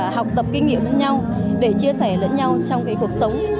học tập kinh nghiệm lẫn nhau để chia sẻ lẫn nhau trong cuộc sống